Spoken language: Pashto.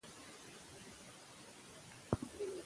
د قانون حاکمیت د ادارې اساس دی.